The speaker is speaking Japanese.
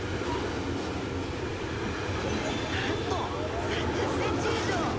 なんと３０ｃｍ以上！